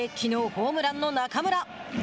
ホームランの中村。